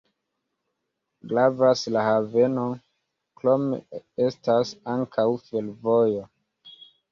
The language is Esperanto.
Gravas la haveno, krome estas ankaŭ fervojo.